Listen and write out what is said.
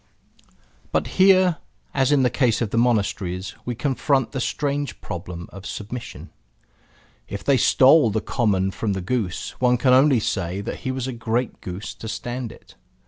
But here, as in the case of the monasteries, we confront the strange problem of submission. If they stole the common from the goose, one can only say that he was a great goose to stand it.